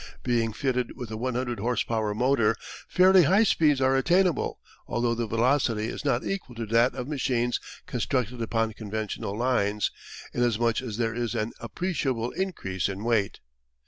Being fitted with a 100 horse power motor, fairly high speeds are attainable, although the velocity is not equal to that of machines constructed upon conventional lines, inasmuch as there is an appreciable increase in weight.